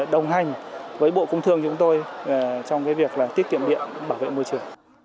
đồng hành với bộ công thương chúng tôi trong việc tiết kiệm điện bảo vệ môi trường